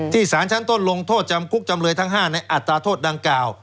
สารชั้นต้นลงโทษจำคุกจำเลยทั้ง๕ในอัตราโทษดังกล่าว